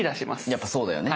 やっぱそうだよね。